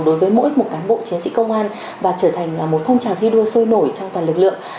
đối với mỗi một cán bộ chiến sĩ công an và trở thành một phong trào thi đua sôi nổi trong toàn lực lượng